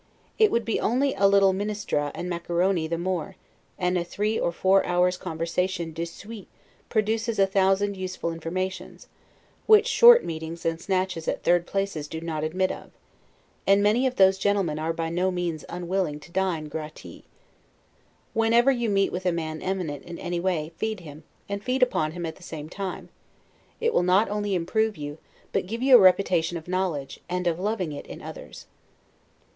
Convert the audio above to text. It would be only a little 'minestra' and 'macaroni' the more; and a three or four hours' conversation 'de suite' produces a thousand useful informations, which short meetings and snatches at third places do not admit of; and many of those gentlemen are by no means unwilling to dine 'gratis'. Whenever you meet with a man eminent in any way, feed him, and feed upon him at the same time; it will not only improve you, but give you a reputation of knowledge, and of loving it in others.